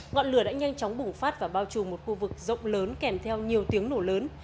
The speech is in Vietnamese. ngọn lửa đã nhanh chóng bùng phát và bao trù một khu vực rộng lớn kèm theo nhiều tiếng nổ lớn